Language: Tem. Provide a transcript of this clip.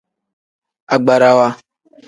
Agbarawa.